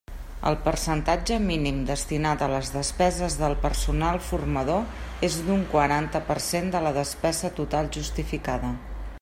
El percentatge mínim destinat a les despeses del personal formador és d'un quaranta per cent de la despesa total justificada.